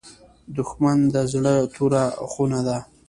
دښمن د زړه توره خونه ده